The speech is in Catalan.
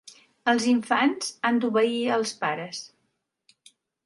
Els infants han d'obeir els pares.